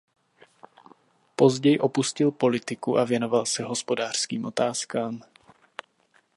Později opustil politiku a věnoval se hospodářským otázkám.